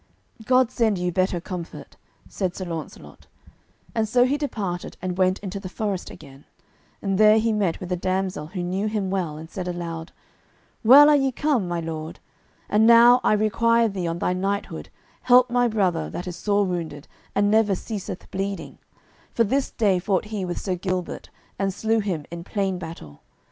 "God send you better comfort," said Sir Launcelot, and so he departed and went into the forest again, and there he met with a damsel who knew him well, and said aloud, "Well are ye come, my lord; and now I require thee on thy knighthood help my brother that is sore wounded, and never ceaseth bleeding, for this day fought he with Sir Gilbert and slew him in plain battle.